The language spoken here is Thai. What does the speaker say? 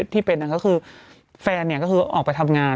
ที่เป็นก็คือแฟนออกไปทำงาน